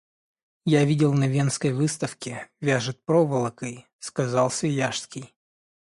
Я видел на Венской выставке, вяжет проволокой, — сказал Свияжский.